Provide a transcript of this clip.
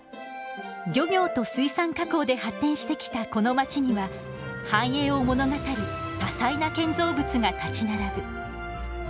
漁業と水産加工で発展してきたこの街には繁栄を物語る多彩な建造物が立ち並ぶ。